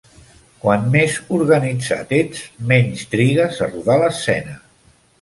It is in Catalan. Quant més organitzat ets, menys trigues a rodar l'escena.